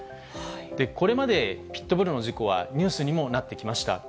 これまで、ピットブルの事故はニュースにもなってきました。